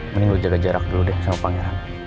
mending lu jaga jarak dulu deh sama pangeran